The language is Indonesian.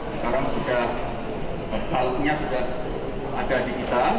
sekarang sudah partnya sudah ada di kita